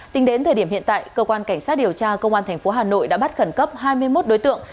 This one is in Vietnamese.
tính đến thời điểm hiện tại cơ quan cảnh sát điều tra công an tp hà nội đã bắt khẩn cấp hai mươi một đối tượng